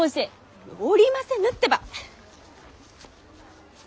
おりませぬってば！